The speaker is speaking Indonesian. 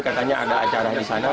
katanya ada acara di sana